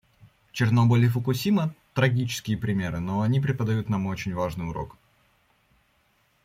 Чернобыль и Фукусима — трагические примеры, но они преподают нам очень важный урок.